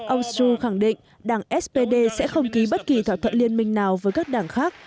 ông su khẳng định đảng spd sẽ không ký bất kỳ thỏa thuận liên minh nào với các đảng khác